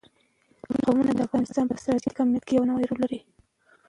قومونه د افغانستان په ستراتیژیک اهمیت کې یو پیاوړی رول لري.